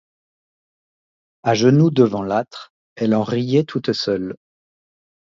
A genoux devant l'âtre, elle en riait toute seule.